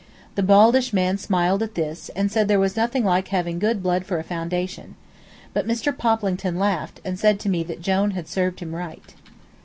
The baldish man smiled at this, and said there was nothing like having good blood for a foundation. But Mr. Poplington laughed, and said to me that Jone had served him right.